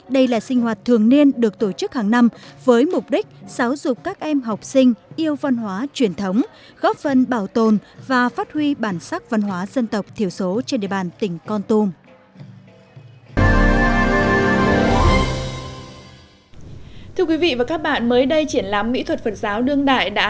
đây là sinh hoạt thường niên được tổ chức hàng năm với mục đích giáo dục các em học sinh yêu văn hóa truyền thống góp văn bảo tồn và phát huy bản sắc văn hóa dân tộc thiểu số trên địa bàn tỉnh con tùng